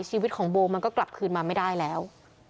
ชีวิตของโบมันก็กลับคืนมาไม่ได้แล้ว